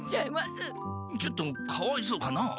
ちょっとかわいそうかな？